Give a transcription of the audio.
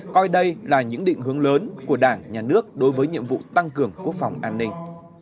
coi đây là những định hướng lớn của đảng nhà nước đối với nhiệm vụ tăng cường quốc phòng an ninh